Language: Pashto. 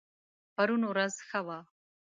پرون ورځ ښه وه